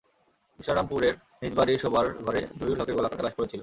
কৃষ্ণরামপুরের নিজ বাড়ির শোবার ঘরে জহিরুল হকের গলাকাটা লাশ পড়ে ছিল।